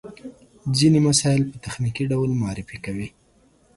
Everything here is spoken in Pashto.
ځينې مسایل په تخنیکي ډول معرفي کوي.